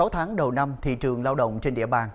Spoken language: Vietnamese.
sáu tháng đầu năm thị trường lao động trên địa bàn